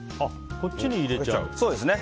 こっちに入れちゃうんだ。